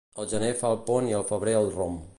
El gener fa el pont i el febrer el romp.